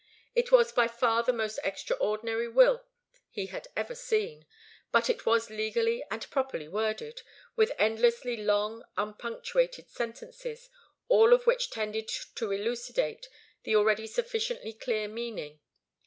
It was by far the most extraordinary will he had ever seen; but it was legally and properly worded, with endlessly long, unpunctuated sentences, all of which tended to elucidate the already sufficiently clear meaning.